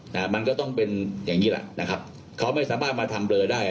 แต่มันก็ต้องเป็นอย่างงี้แหละนะครับเขาไม่สามารถมาทำเลอได้